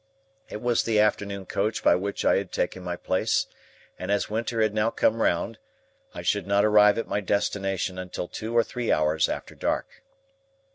It was the afternoon coach by which I had taken my place, and, as winter had now come round, I should not arrive at my destination until two or three hours after dark.